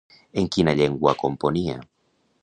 En quina llengua componia?